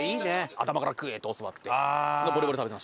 頭から食えって教わってボリボリ食べてました。